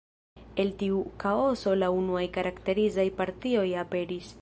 El tiu kaoso, la unuaj karakterizaj partioj aperis.